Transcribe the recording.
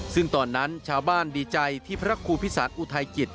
ซึ่งตอนนั้นชาวบ้านดีใจที่พระครูพิสารอุทัยกิจ